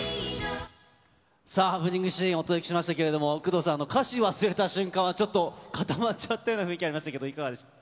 ハプニングシーンをお届けしましたけれども、工藤さん、歌詞忘れた瞬間は、ちょっと固まっちゃったような雰囲気ありましたけど、いかがでしょう。